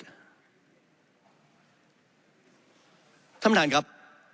ท่านประธานครับ